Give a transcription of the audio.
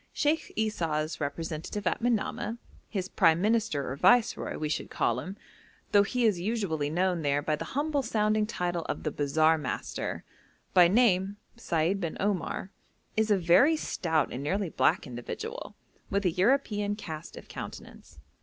Sheikh Esau's representative at Manamah his prime minister or viceroy, we should call him, though he is usually known there by the humble sounding title of the 'bazaar master,' by name Seid bin Omar, is a very stout and nearly black individual, with a European cast of countenance.